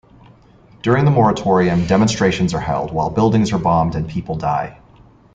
During the Moratorium, demonstrations are held while buildings are bombed and people die.